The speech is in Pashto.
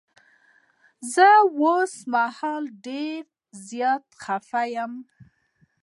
زه اوس مهال ډير زيات خفه یم.